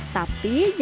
tapi jangan lupa